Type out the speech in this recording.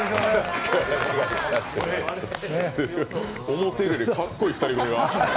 思ったよりかっこいい２人組が。